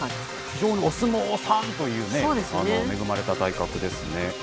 非常にお相撲さんという、恵まれた体格ですね。